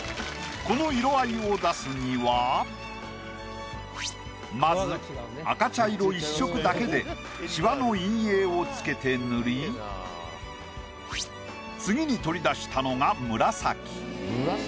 この色合いを出すにはまず赤茶色１色だけでシワの陰影をつけて塗り次に取り出したのが紫。